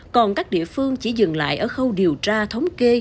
còn các địa phương chỉ dừng lại ở khâu điều tra thống kê